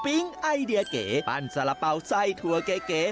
ไอเดียเก๋ปั้นสารเป๋าไส้ถั่วเก๋